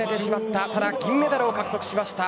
ただ、銀メダルを獲得しました。